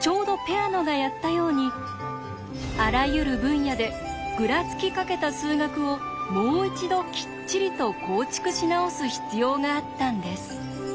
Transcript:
ちょうどペアノがやったようにあらゆる分野でぐらつきかけた数学をもう一度きっちりと構築し直す必要があったんです。